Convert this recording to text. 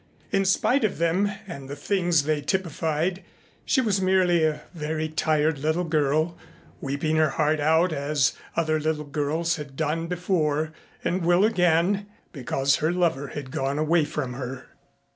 In spite of them and the things they typified she was merely a very tired little girl, weeping her heart out as other little girls had done before and will again, because her lover had gone away from her.